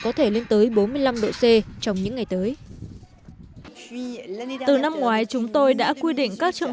có thể lên tới bốn mươi năm độ c trong những ngày tới từ năm ngoái chúng tôi đã quy định các trường